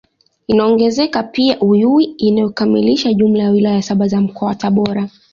Inaongezeka pia Uyui inayoikamilisha jumla ya wilaya saba za Mkoa wa Tabora